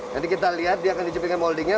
nanti kita lihat dia akan dijepit dengan moldingnya